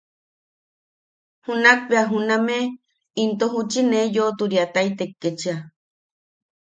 Junak bea juname into juchi ne yoʼoturiataitek ketchia.